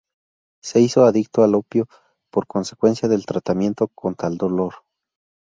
Se hizo adicto al opio por consecuencia del tratamiento contra el dolor.